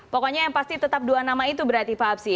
pokoknya yang pasti tetap dua nama itu berarti pak absi